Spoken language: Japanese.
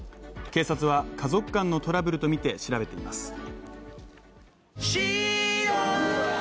警察は家族間のトラブルとみて、調べています。